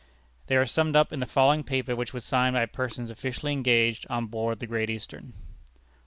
These are summed up in the following paper, which was signed by persons officially engaged on board the Great Eastern: 1.